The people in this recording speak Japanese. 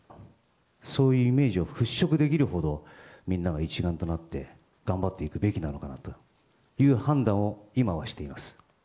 そういうイメージを払拭できるほど、みんなが一丸となって頑張っていくべきなのかなという判断を今はしています。